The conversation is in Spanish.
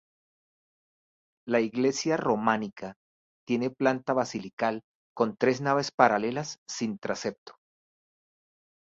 La iglesia románica tiene planta basilical con tres naves paralelas sin transepto.